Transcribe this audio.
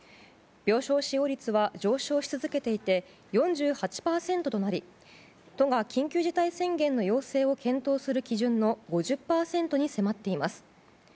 病床使用率は上昇し続けていて４８％となり都が緊急事態宣言の要請を検討する基準の５０％に迫っています。